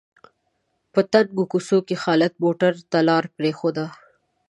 په تنګو کوڅو کې خالد موټرو ته لاره پرېښوده.